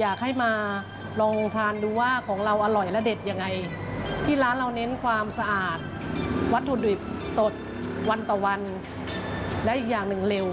อยากให้มาลองทานดูว่าของเราอร่อยและเด็ดยังไงที่ร้านเราเน้นความสะอาดวัตถุดิบสดวันต่อวันและอีกอย่างหนึ่งเร็ว